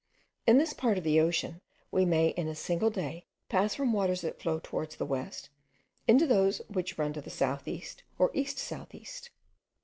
In this part of the ocean, we may in a single day pass from waters that flow towards the west, into those which run to the south east or east south east.